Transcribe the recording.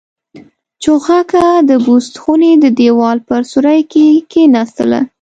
چوغکه د بوس خونې د دېوال په سوري کې کېناستله.